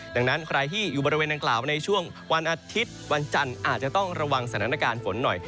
ดังนั้นใครที่อยู่บริเวณดังกล่าวในช่วงวันอาทิตย์วันจันทร์อาจจะต้องระวังสถานการณ์ฝนหน่อย